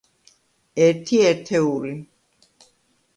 ერთი ერთეული.